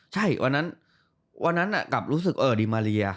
ใช่วันนั้นกลับรู้สึกดีมาเรีย